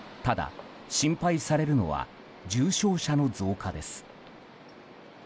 ただ、心配されるのは重症者の増加です。